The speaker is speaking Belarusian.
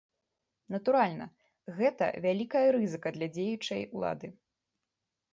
Натуральна, гэта вялікая рызыка для дзеючай улады.